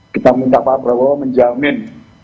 kita minta pak prabowo menjamin